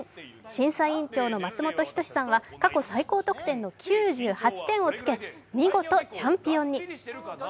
審査委員長の松本人志さんは過去最高得点の９８点をつけ見事、チャンピオンに。